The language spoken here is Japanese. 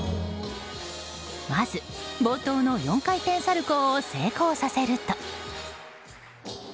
まず冒頭の４回転サルコウを成功させると。